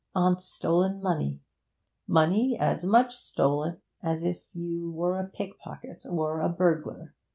On stolen money money as much stolen as if you were a pickpocket or a burglar!